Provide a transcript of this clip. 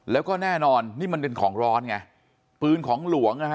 แล้วก็แน่นอนนี่มันเป็นของร้อนไงปืนของหลวงนะฮะ